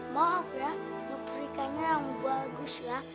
maaf ya nukrikannya yang bagus ya